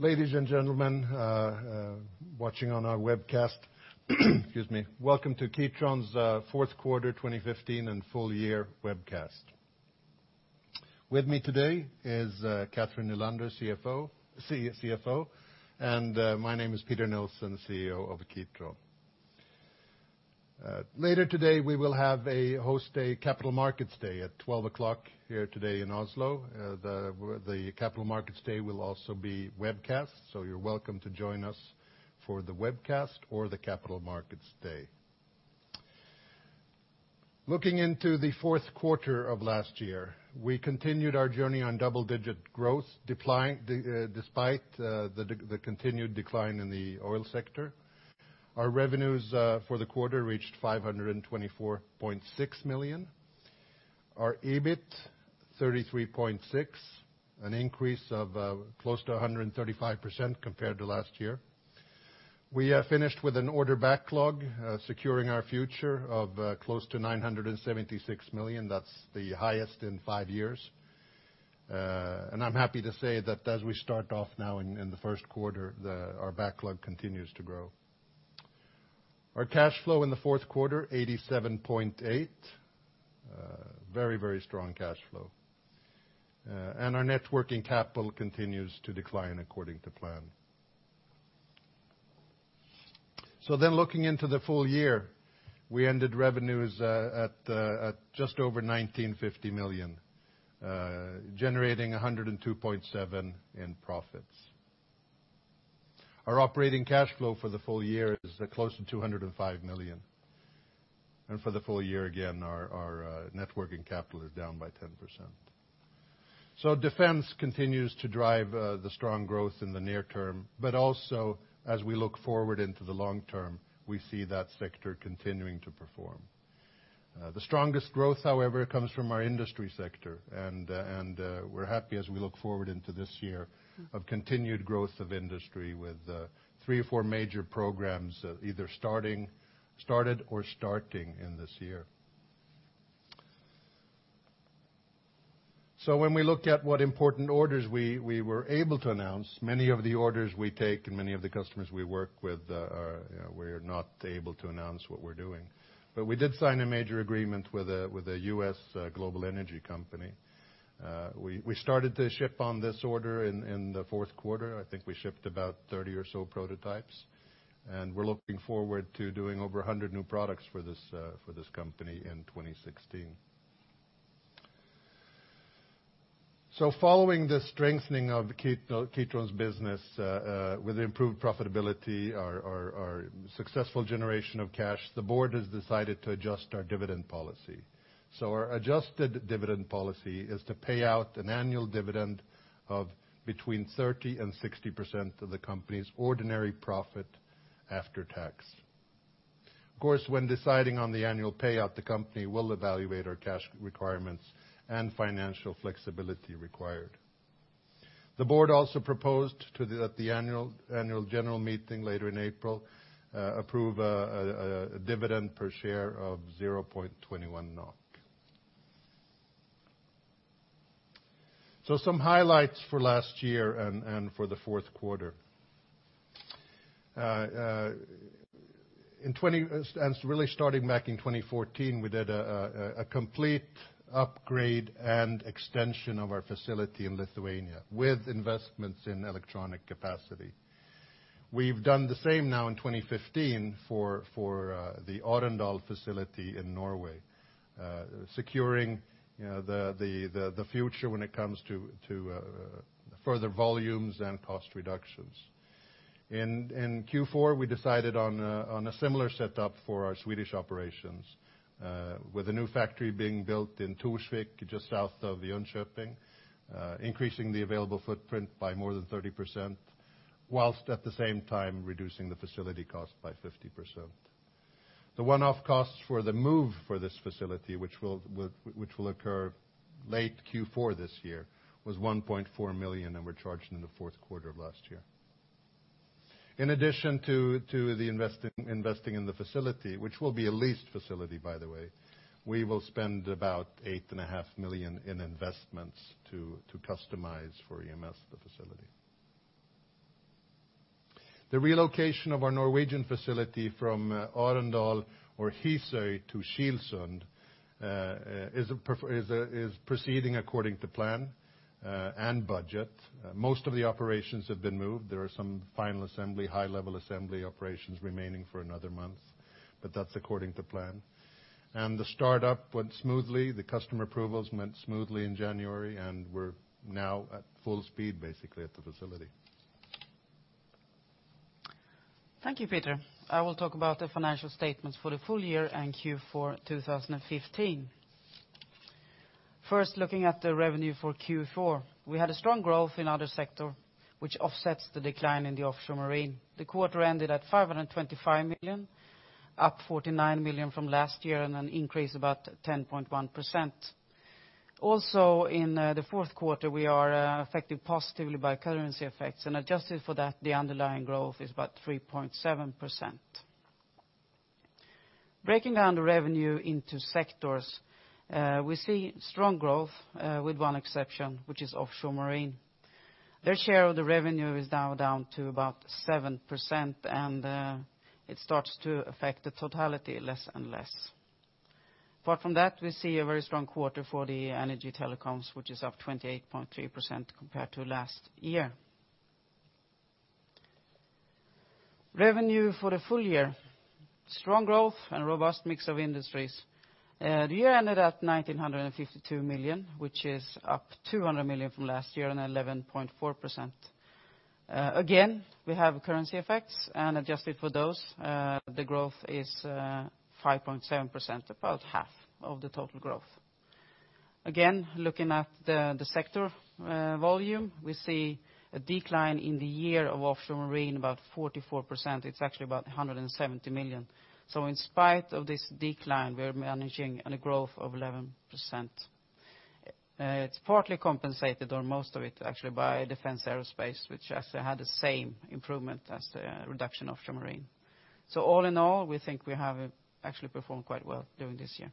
Ladies and gentlemen, watching on our webcast. Excuse me. Welcome to Kitron's fourth quarter 2015 and full year webcast. With me today is Cathrin Nylander, CFO. My name is Peter Nilsson, CEO of Kitron. Later today, we will have a host day, Capital Markets Day at 12:00 P.M. here today in Oslo. The Capital Markets Day will also be webcast. You're welcome to join us for the webcast or the Capital Markets Day. Looking into the fourth quarter of last year, we continued our journey on double-digit growth despite the continued decline in the oil sector. Our revenues for the quarter reached 524.6 million. Our EBIT, 33.6, an increase of close to 135% compared to last year. We finished with an order backlog, securing our future of close to 976 million. That's the highest in five years. I'm happy to say that as we start off now in the first quarter, our backlog continues to grow. Our cash flow in the fourth quarter, 87.8. Very, very strong cash flow. Our Net Working Capital continues to decline according to plan. Looking into the full year, we ended revenues at just over 1,950 million, generating 102.7 in profits. Our operating cash flow for the full year is close to 205 million. For the full year again, our Net Working Capital is down by 10%. Defense continues to drive the strong growth in the near term, but also as we look forward into the long term, we see that sector continuing to perform. The strongest growth, however, comes from our industry sector. We're happy as we look forward into this year of continued growth of industry with 3 or 4 major programs either starting, started or starting in this year. When we look at what important orders we were able to announce, many of the orders we take and many of the customers we work with, are, you know, we're not able to announce what we're doing. We did sign a major agreement with a U.S. global energy company. We started to ship on this order in the fourth quarter. I think we shipped about 30 or so prototypes. We're looking forward to doing over 100 new products for this company in 2016. Following the strengthening of Kitron's business, with improved profitability, our successful generation of cash, the board has decided to adjust our dividend policy. Our adjusted dividend policy is to pay out an annual dividend of between 30% and 60% of the company's ordinary profit after tax. Of course, when deciding on the annual payout, the company will evaluate our cash requirements and financial flexibility required. The board also proposed at the Annual General Meeting later in April, approve a dividend per share of 0.21 NOK. Some highlights for last year and for the fourth quarter. It's really starting back in 2014, we did a complete upgrade and extension of our facility in Lithuania with investments in electronic capacity. We've done the same now in 2015 for the Arendal facility in Norway, securing, you know, the future when it comes to further volumes and cost reductions. In Q4, we decided on a similar setup for our Swedish operations with a new factory being built in Torsvik, just south of Jönköping, increasing the available footprint by more than 30%, whilst at the same time reducing the facility cost by 50%. The one-off costs for the move for this facility, which will occur late Q4 this year, was 1.4 million and were charged in the fourth quarter of last year. In addition to the investing in the facility, which will be a leased facility, by the way, we will spend about eight and a half million in investments to customize for EMS the facility. The relocation of our Norwegian facility from Arendal or Hisøy to Kilsund is proceeding according to plan and budget. Most of the operations have been moved. There are some final assembly, high-level assembly operations remaining for another month, but that's according to plan. The start-up went smoothly. The customer approvals went smoothly in January, and we're now at full speed, basically at the facility. Thank you, Peter. I will talk about the financial statements for the full year and Q4 2015. First, looking at the revenue for Q4. We had a strong growth in other sector, which offsets the decline in the Offshore/Marine. The quarter ended at 525 million, up 49 million from last year and an increase about 10.1%. Also, in the fourth quarter, we are affected positively by currency effects. Adjusted for that, the underlying growth is about 3.7%. Breaking down the revenue into sectors, we see strong growth with one exception, which is Offshore/Marine. Their share of the revenue is now down to about 7%, and it starts to affect the totality less and less. Apart from that, we see a very strong quarter for the Energy and Telecoms, which is up 28.3% compared to last year. Revenue for the full year, strong growth and robust mix of industries. The year ended at 1,952 million, which is up 200 million from last year and 11.4%. Again, we have currency effects, and adjusted for those, the growth is 5.7%, about half of the total growth. Again, looking at the sector volume, we see a decline in the year of Offshore/Marine, about 44%. It's actually about 170 million. In spite of this decline, we're managing a growth of 11%. It's partly compensated, or most of it actually, by Defense Aerospace, which actually had the same improvement as the reduction Offshore/Marine. All in all, we think we have actually performed quite well during this year.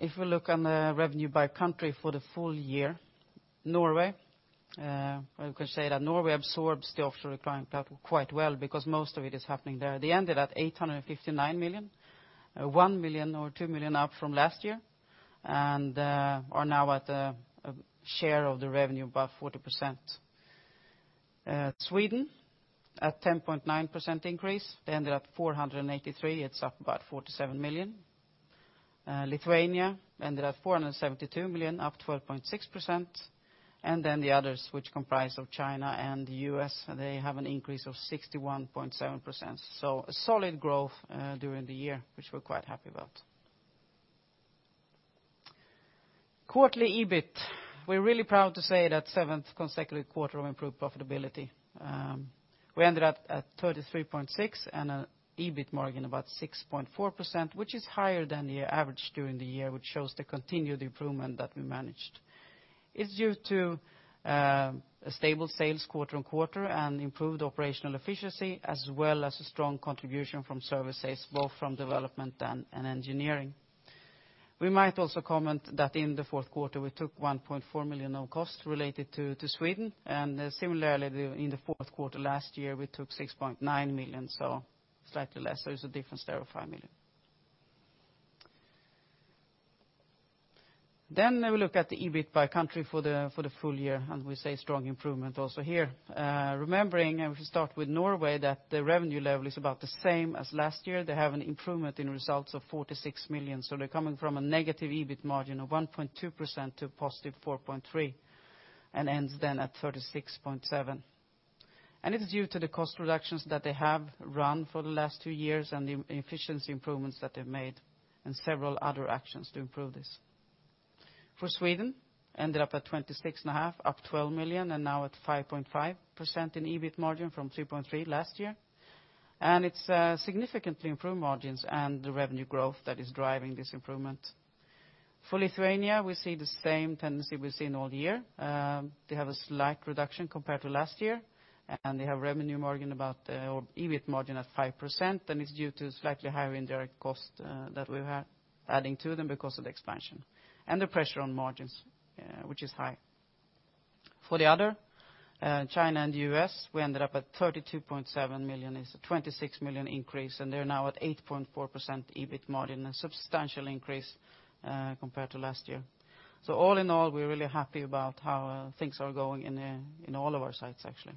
If we look on the revenue by country for the full year, Norway, well you can say that Norway absorbs the Offshore decline part quite well because most of it is happening there. They ended at 859 million, 1 million or 2 million up from last year, and are now at a share of the revenue about 40%. Sweden at 10.9% increase. They ended up 483 million. It's up about 47 million. Lithuania ended at 472 million, up 12.6%. The others, which comprise of China and U.S., they have an increase of 61.7%. A solid growth during the year, which we're quite happy about. Quarterly EBIT. We're really proud to say that seventh consecutive quarter of improved profitability. We ended up at 33.6 and a EBIT margin about 6.4%, which is higher than the average during the year, which shows the continued improvement that we managed. It's due to a stable sales quarter-on-quarter and improved operational efficiency, as well as a strong contribution from services, both from development and engineering. We might also comment that in the fourth quarter, we took 1.4 million on costs related to Sweden, and similarly in the fourth quarter last year, we took 6.9 million, so slightly less. There is a difference there of 5 million. We look at the EBIT by country for the full year, and we see a strong improvement also here. Remembering, we should start with Norway, that the revenue level is about the same as last year. They have an improvement in results of 46 million, so they're coming from a negative EBIT margin of 1.2% to positive 4.3%, and ends at 36.7 million. It is due to the cost reductions that they have run for the last two years and the efficiency improvements that they've made, and several other actions to improve this. For Sweden, ended up at 26.5 million, up 12 million, and now at 5.5% in EBIT margin from 3.3% last year. It's significantly improved margins and the revenue growth that is driving this improvement. For Lithuania, we see the same tendency we've seen all year. They have a slight reduction compared to last year, they have revenue margin about, or EBIT margin at 5%, it's due to slightly higher indirect cost that we've had adding to them because of the expansion and the pressure on margins, which is high. For the other, China and US, we ended up at 32.7 million. It's a 26 million increase, they're now at 8.4% EBIT margin, a substantial increase compared to last year. All in all, we're really happy about how things are going in all of our sites, actually.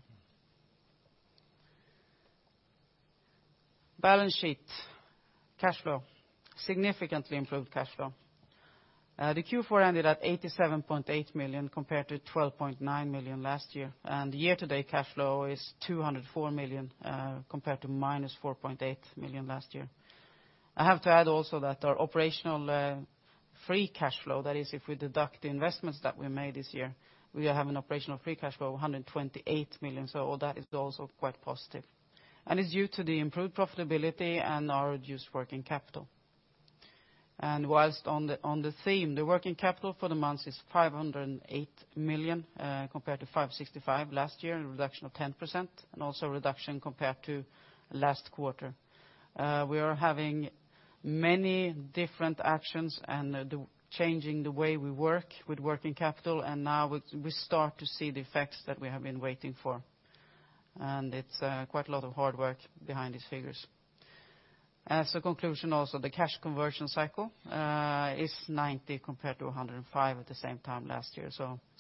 Balance sheet. Cash flow. Significantly improved cash flow. The Q4 ended at 87.8 million compared to 12.9 million last year. Year-to-date cash flow is 204 million, compared to minus 4.8 million last year. I have to add also that our Operational Free Cash Flow, that is if we deduct the investments that we made this year, we have an Operational Free Cash Flow of 128 million. All that is also quite positive. It's due to the improved profitability and our reduced working capital. Whilst on the theme, the working capital for the month is 508 million, compared to 565 million last year, a reduction of 10%, and also a reduction compared to last quarter. We are having many different actions and the changing the way we work with working capital, and now we start to see the effects that we have been waiting for. It's quite a lot of hard work behind these figures. As a conclusion also, the cash conversion cycle is 90 compared to 105 at the same time last year.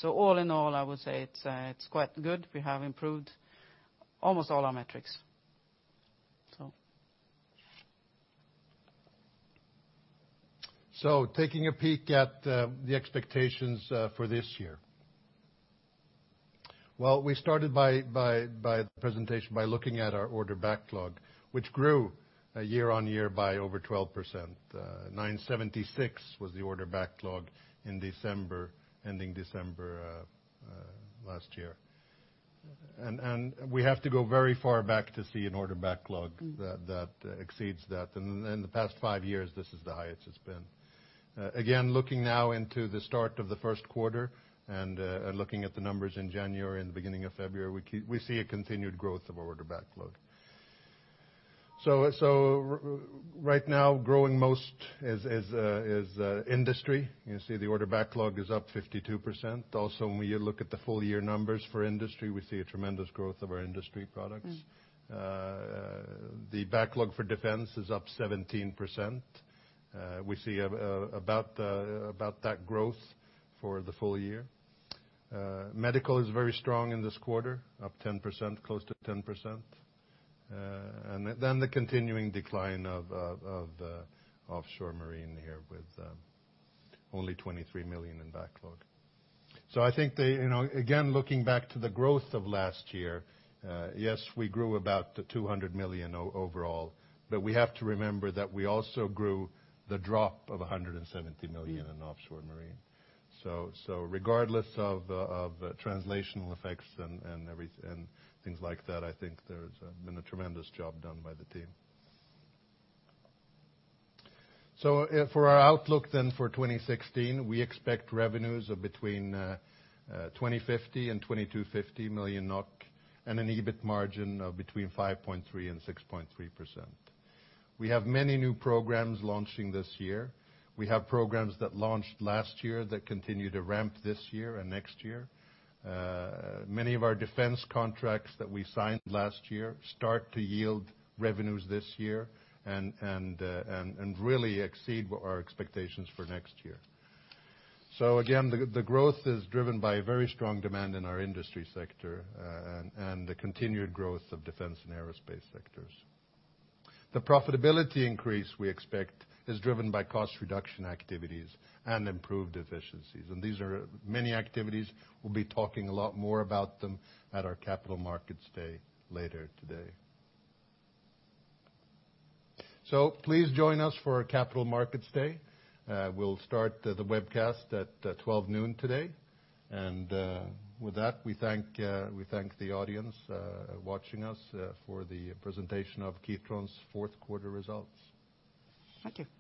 All in all, I would say it's quite good. We have improved almost all our metrics. Taking a peek at the expectations for this year. Well, we started by the presentation by looking at our order backlog, which grew year-on-year by over 12%. 976 was the order backlog in December, ending December last year. We have to go very far back to see an order backlog that exceeds that. In the past five years, this is the highest it's been. Again, looking now into the start of the first quarter and looking at the numbers in January and the beginning of February, we see a continued growth of our order backlog. Right now growing most is industry. You can see the order backlog is up 52%. When you look at the full year numbers for industry, we see a tremendous growth of our industry products. Mm. The backlog for Defense is up 17%. We see about that growth for the full year. Medical is very strong in this quarter, up 10%, close to 10%. The continuing decline of Offshore/Marine here with only 23 million in backlog. I think they, you know, again, looking back to the growth of last year, yes, we grew about 200 million overall, but we have to remember that we also grew the drop of 170 million. Mm. In Offshore/Marine. Regardless of translational effects and every and things like that, I think there's been a tremendous job done by the team. For our outlook then for 2016, we expect revenues of between 2,050 million and 2,250 million NOK, and an EBIT margin of between 5.3% and 6.3%. We have many new programs launching this year. We have programs that launched last year that continue to ramp this year and next year. Many of our defense contracts that we signed last year start to yield revenues this year and really exceed what our expectations for next year. Again, the growth is driven by very strong demand in our industry sector and the continued growth of Defense and Aerospace sectors. The profitability increase we expect is driven by cost reduction activities and improved efficiencies. These are many activities. We'll be talking a lot more about them at our Capital Markets Day later today. Please join us for our Capital Markets Day. We'll start the webcast at 12:00 P.M. today. With that, we thank the audience watching us for the presentation of Kitron's fourth quarter results. Thank you.